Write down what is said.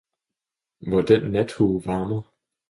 hvor den Nathue varmer!